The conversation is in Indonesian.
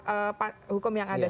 apa hukum yang ada